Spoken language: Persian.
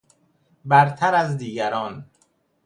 برتر از دیگران